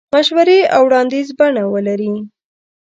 مشورې او وړاندیز بڼه ولري.